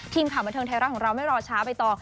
ทีมข่าวบะเทิงไทยรัฐเราไม่รอช้าไปต่อ